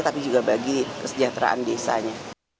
tapi juga bagi kesejahteraan desanya